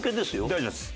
大丈夫です。